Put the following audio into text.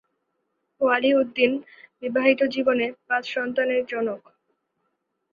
ওয়ালি উদ্দিন বিবাহিত জীবনে পাঁচ সন্তানের জনক।